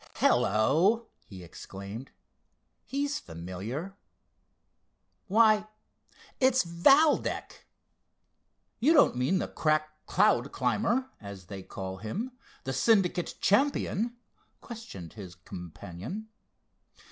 "Hello!" he exclaimed, "he's familiar. Why it's Valdec!" "You don't mean the crack cloud climber, as they call him, the Syndicate champion?" questioned his companion.